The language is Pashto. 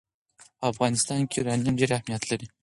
په افغانستان کې یورانیم ډېر اهمیت لري.